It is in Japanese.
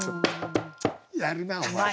やるなお前。